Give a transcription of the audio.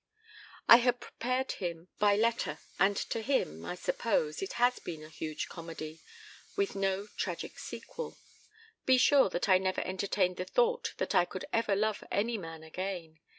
I had prepared him by letter, and to him, I suppose, it has been a huge comedy with no tragic sequel. Be sure that I never entertained the thought that I could ever love any man again.